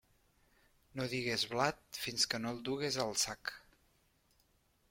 No digues blat fins que no el dugues al sac.